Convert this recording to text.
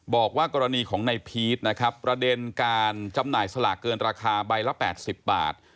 บอกว่ากรณีของในพีชนะครับประเด็นการจำหน่ายสลากเกินราคาใบละ๘๐บาท